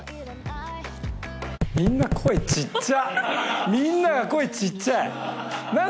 みんな声ちっちゃ！